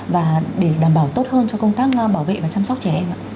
và để đảm bảo tốt hơn cho công tác bảo vệ và chăm sóc trẻ em ạ